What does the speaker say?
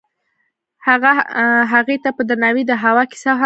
هغه هغې ته په درناوي د هوا کیسه هم وکړه.